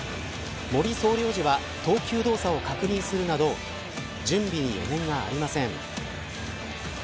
森総領事は投球動作を確認するなど準備に余念がありません。